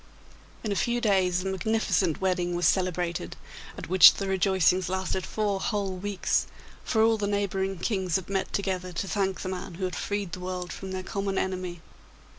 In a few days a magnificent wedding was celebrated, at which the rejoicings lasted four whole weeks, for all the neighbouring kings had met together to thank the man who had freed the world from their common enemy.